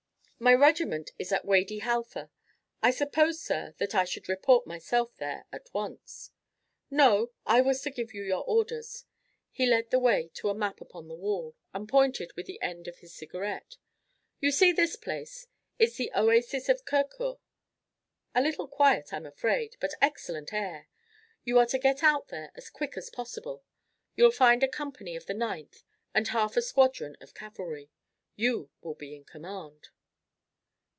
"My regiment is at Wady Halfa. I suppose, sir, that I should report myself there at once?" "No; I was to give you your orders." He led the way to a map upon the wall, and pointed with the end of his cigarette. "You see this place. It's the Oasis of Kurkur a little quiet, I am afraid, but excellent air. You are to get out there as quick as possible. You'll find a company of the Ninth, and half a squadron of cavalry. You will be in command."